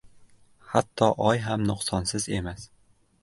• Hatto oy ham nuqsonsiz emas.